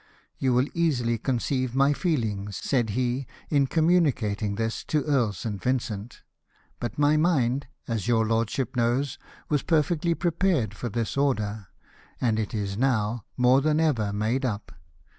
"You will easily conceive my feehngs," said he, in communicating this to Earl St. Vincent, " but my mind, as your lordship knows, was perfectly prepared for this order ; and it is now, more than ever, made up.